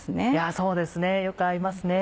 そうですねよく合いますね。